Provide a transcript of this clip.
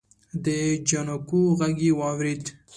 د جانکو غږ يې واورېد.